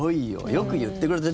よく言ってくれた。